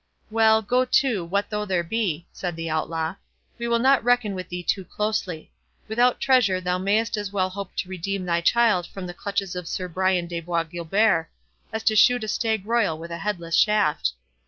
"Well—go to—what though there be," said the Outlaw, "we will not reckon with thee too closely. Without treasure thou mayst as well hope to redeem thy child from the clutches of Sir Brian de Bois Guilbert, as to shoot a stag royal with a headless shaft.